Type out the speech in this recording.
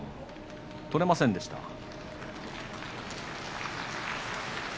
取れませんでした。